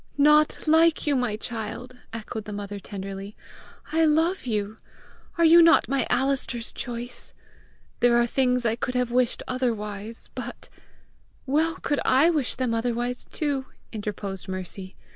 "Not like you, my child!" echoed the mother tenderly. "I love you! Are you not my Alister's choice? There are things I could have wished otherwise, but " "Well could I wish them otherwise too!" interposed Mercy.